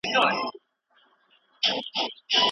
موږ تر شلو پوري حساب کوو.